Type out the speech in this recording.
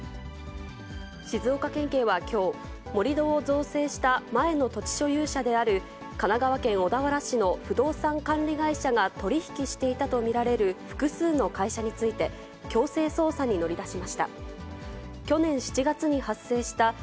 静岡県警はきょう、盛り土を造成した前の土地所有者である神奈川県小田原市の不動産管理会社が取り引きしていたと見られる複数の会社について、強制捜査に乗り出しました。